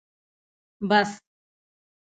🚍 بس